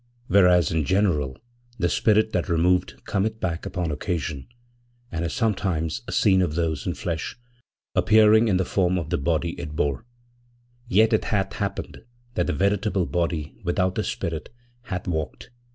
Whereas in general the spirit that removed cometh back upon occasion, and is sometimes seen of those in flesh (appearing in the form of the body it bore) yet it hath happened that the veritable body without the spirit hath walked.